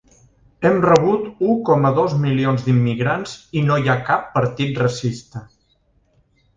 Hem rebut u coma dos milions d’immigrants i no hi ha cap partit racista.